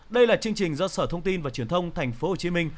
đây là chương trình do sở thông tin và truyền thông tp hcm